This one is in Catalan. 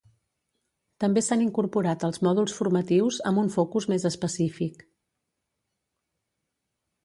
També s'han incorporat els mòduls formatius, amb un focus més específic.